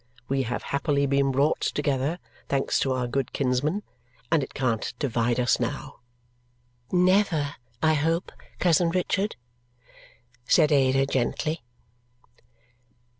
We have happily been brought together, thanks to our good kinsman, and it can't divide us now!" "Never, I hope, cousin Richard!" said Ada gently.